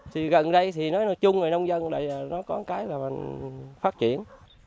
thì gần đây thì nói chung là nông dân nó có cái là phát triển